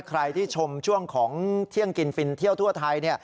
ใครที่ชมช่วงของเที่ยงกินฟินเที่ยวทั่วไทย